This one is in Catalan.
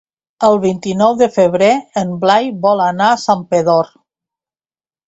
El vint-i-nou de febrer en Blai vol anar a Santpedor.